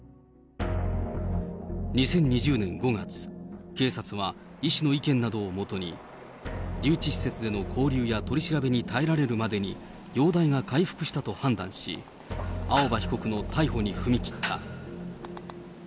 ２０２０年５月、警察は医師の意見などを基に、留置施設での勾留や取り調べに耐えられるまでに容体が回復したと判断し、青葉被告の逮捕に踏み切った。